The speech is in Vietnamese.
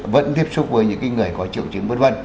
vẫn tiếp xúc với những người có triệu chứng v v